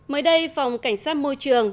mới đây phòng cảnh sát môi trường